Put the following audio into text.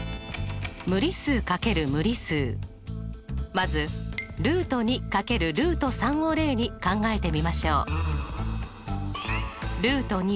まず×を例に考えてみましょう。